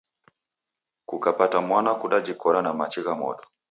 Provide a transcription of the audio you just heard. Kukapata mwana kudajikora na machi gha modo